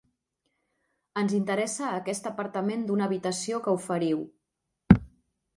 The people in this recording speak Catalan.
Ens interessa aquest apartament d'una habitació que oferiu.